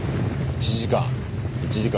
１時間。